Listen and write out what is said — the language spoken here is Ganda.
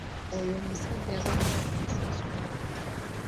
Oyo omusajja abadde avugisa kimama.